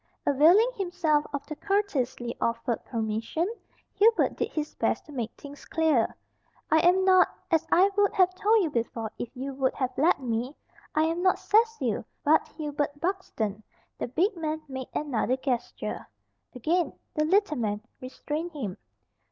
Availing himself of the courteously offered permission, Hubert did his best to make things clear. "I am not as I would have told you before if you would have let me I am not Cecil, but Hubert Buxton." The big man made another gesture. Again the little man restrained him.